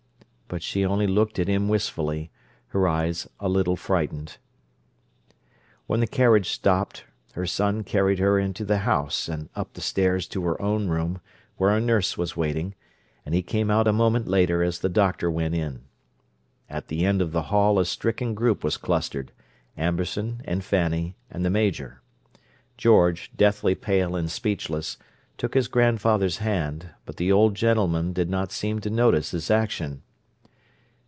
But she only looked at him wistfully, her eyes a little frightened. When the carriage stopped, her son carried her into the house, and up the stairs to her own room, where a nurse was waiting; and he came out a moment later, as the doctor went in. At the end of the hall a stricken group was clustered: Amberson, and Fanny, and the Major. George, deathly pale and speechless, took his grandfather's hand, but the old gentleman did not seem to notice his action.